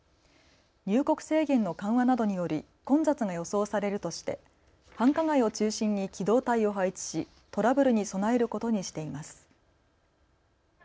入国制限の緩和などにより混雑が予想されるとして繁華街を中心に機動隊を配置しトラブルに備えることにしています。